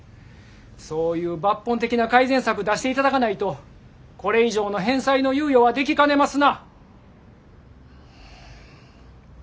そういう抜本的な改善策出していただかないとこれ以上の返済の猶予はできかねますな。